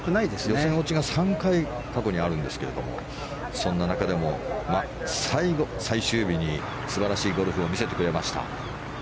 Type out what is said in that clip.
予選落ちが３回、過去にあるんですけどそんな中でも最終日に素晴らしいゴルフを見せてくれました。